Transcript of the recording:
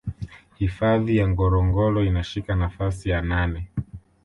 Hifadhi ya Ngorongoro inashika nafasi ya nane